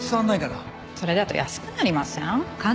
それだと安くなりません？